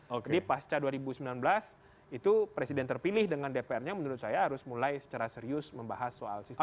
jadi pasca dua ribu sembilan belas itu presiden terpilih dengan dpr nya menurut saya harus mulai secara serius membahas soal sistem pemilu